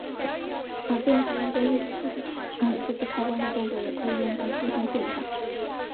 而电子元件类似数字开关的动作也可以用在资讯处理上。